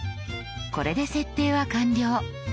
これで設定は完了。